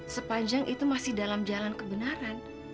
sepanjang itu masih dalam jalan kebenaran